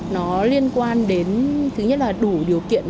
nó liên quan đến thứ nhất là đủ điều kiện